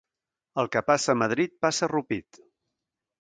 El que passa a Madrid passa a Rupit.